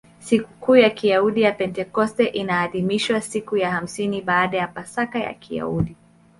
Sikukuu ya Kiyahudi ya Pentekoste inaadhimishwa siku ya hamsini baada ya Pasaka ya Kiyahudi.